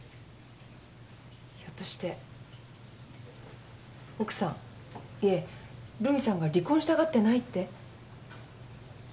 ひょっとして奥さんいえ留美さんが離婚したがってないって？